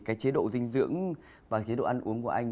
cái chế độ dinh dưỡng và chế độ ăn uống của anh